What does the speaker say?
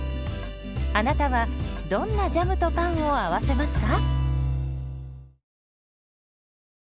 あなたはどんなジャムとパンを合わせますか？